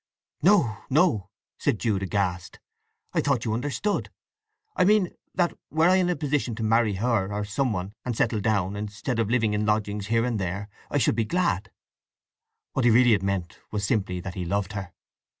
"No, no!" said Jude aghast. "I thought you understood? I mean that were I in a position to marry her, or someone, and settle down, instead of living in lodgings here and there, I should be glad!" What he had really meant was simply that he loved her.